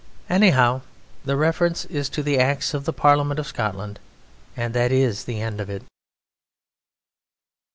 Anyhow, the reference is to the Acts of the Parliament of Scotland, and that is the end of it.